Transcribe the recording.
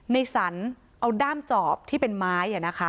ในสรรเอาด้ามจอบที่เป็นไม้